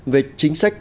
về chính sách